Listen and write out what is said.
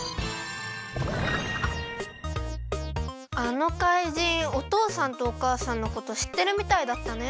あのかいじんおとうさんとおかあさんのことしってるみたいだったね。